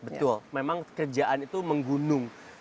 betul memang kerjaan itu menggunung